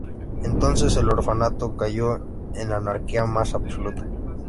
Entonces el orfanato cayó en la anarquía más absoluta.